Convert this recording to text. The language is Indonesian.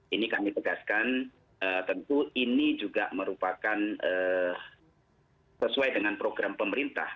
ini kami tegaskan tentu ini juga merupakan sesuai dengan program pemerintah